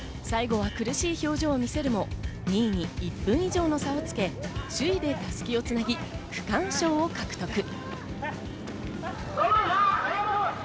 最後は苦しい表情を見せるも２位に１分以上の差をつけ、首位で襷をつなぎ、区間賞を獲得。